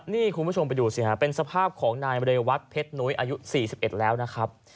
นี่คุณผู้ชมไปดูสิฮะเป็นสภาพของนายเรวัตเพชรนุ้ยอายุ๔๑แล้วนะครับ